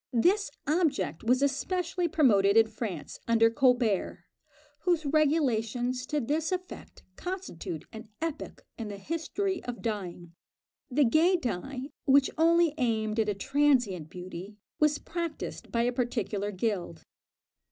This object was especially promoted in France, under Colbert, whose regulations to this effect constitute an epoch in the history of dyeing. The gay dye which only aimed at a transient beauty, was practised by a particular guild.